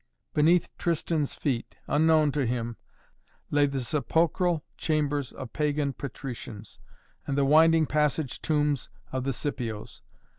Beneath Tristan's feet, unknown to him, lay the sepulchral chambers of pagan patricians, and the winding passage tombs of the Scipios.